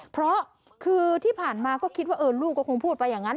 เพราะคือที่ผ่านมาก็คิดว่าลูกก็คงพูดไปอย่างนั้น